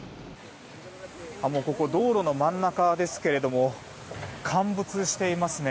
もう、ここ道路の真ん中ですけれども陥没していますね。